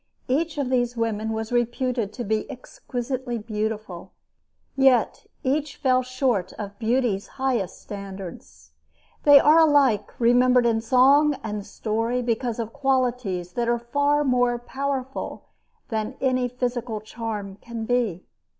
Each of these women was reputed to be exquisitely beautiful; yet each fell short of beauty's highest standards. They are alike remembered in song and story because of qualities that are far more powerful than any physical charm can be.